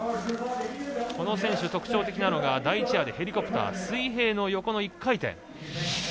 この選手、特徴的なのがヘリコプター水平の横の１回転。